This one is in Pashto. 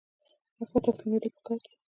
حق ته تسلیمیدل پکار دي